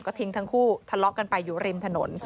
ก็ทิ้งทั้งคู่ทะเลาะกันไปอยู่ริมถนน